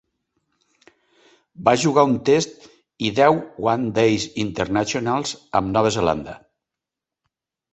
Va jugar un test i deu One Day Internationals amb Nova Zelanda.